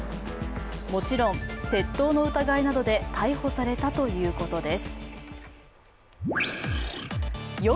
もちろん、窃盗の疑いなどで逮捕されたということです。